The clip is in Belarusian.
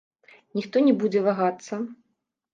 Ніхто не будзе вагацца.